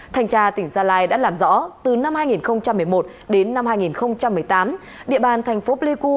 thành tra tỉnh gia lai đã làm rõ từ năm hai nghìn một mươi một đến năm hai nghìn một mươi tám địa bàn thành phố pleiku